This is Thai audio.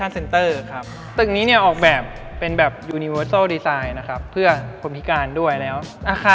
ย้อนมาจากอะไรครับ